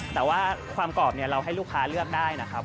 แต่ว่าความกรอบเนี่ยเราให้ลูกค้าเลือกได้นะครับ